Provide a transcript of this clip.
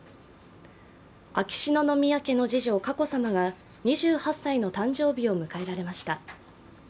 秋篠宮家の次女・佳子さまが２８歳の誕生日を迎えられました。